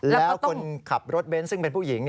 แล้วคนขับรถเบนท์ซึ่งเป็นผู้หญิง